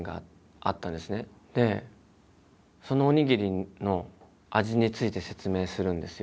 でそのおにぎりの味について説明するんですよ。